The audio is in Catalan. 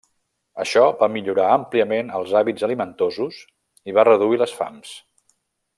Això va millorar àmpliament els hàbits alimentosos i va reduir les fams.